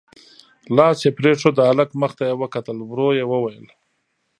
لاس يې پرېښود، د هلک مخ ته يې وکتل، ورو يې وويل: